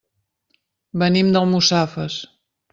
Venim d'Almussafes.